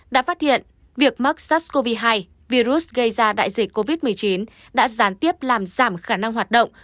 đã phát hiện việc mắc sars cov hai virus gây ra đại dịch covid một mươi chín đã gián tiếp làm giảm khả năng hoạt động